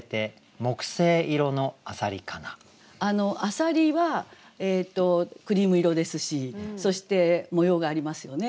浅蜊はクリーム色ですしそして模様がありますよね。